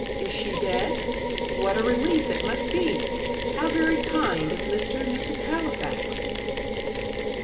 is she dead? What a relief it must be! How very kind of Mr. and Mrs. Halifax!"